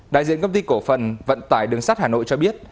đại diện công ty cổ phần vận tải đường sắt hà nội cho biết